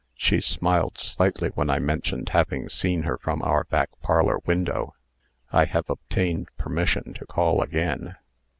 "She smiled slightly when I mentioned having seen her from our back parlor window. I have obtained permission to call again."